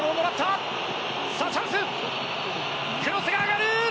クロスが上がる！